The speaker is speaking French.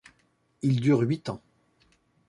Il dure huit ans.